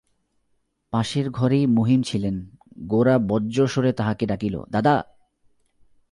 পাশের ঘরেই মহিম ছিলেন–গোরা বজ্রস্বরে তাঁহাকে ডাকিল, দাদা!